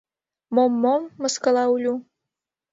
— Мом-мом... — мыскыла Улю.